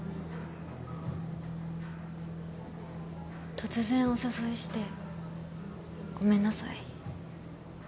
突然お誘いしてごめんなさい。